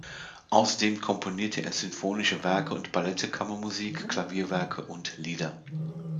Außerdem komponierte er sinfonische Werke und Ballette, Kammermusik, Klavierwerke und Lieder.